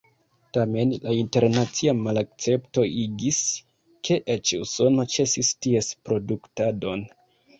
Tamen la internacia malakcepto igis, ke eĉ Usono ĉesis ties produktadon.